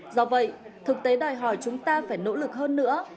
do vậy thực tế đòi hỏi chúng ta phải nỗ lực hơn nữa